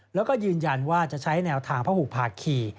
แล้วก็ยืนยันว่าจะใช้แนวทางพระหุภาคี